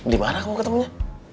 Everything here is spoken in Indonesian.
di mana kamu ketemunya